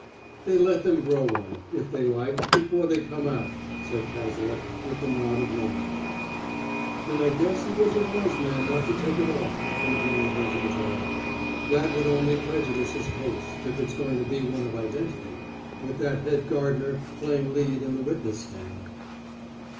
"They let them grow one, if they like, before they come out," said Cazalet, with the nod of knowledge. "Then I guess he was a wise man not to take it off," rejoined Hilton Toye. "That would only prejudice his case, if it's going to be one of identity, with that head gardener playing lead in the witness stand."